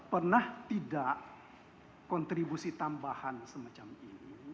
pernah tidak kontribusi tambahan semacam ini